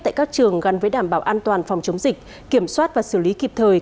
tại các trường gắn với đảm bảo an toàn phòng chống dịch kiểm soát và xử lý kịp thời